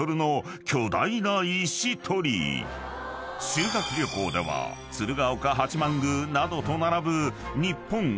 ［修学旅行では鶴岡八幡宮などと並ぶ］